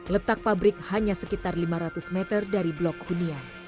letak pabrik hanya sekitar lima ratus meter di dalam